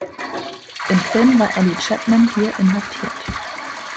Im Film war Eddy Chapman hier inhaftiert.